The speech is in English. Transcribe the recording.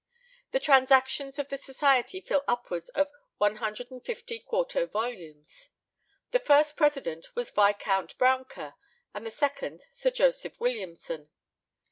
The Transactions of the society fill upwards of 150 quarto volumes. The first president was Viscount Brouncker, and the second Sir Joseph Williamson.